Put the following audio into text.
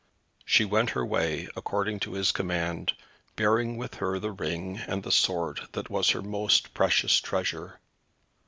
She went her way, according to his command, bearing with her the ring, and the sword that was her most precious treasure.